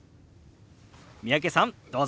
三宅さんどうぞ。